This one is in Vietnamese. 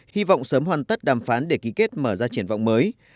hy vọng sớm hoàn tất đàm phán để ký kết mở ra triển vọng mới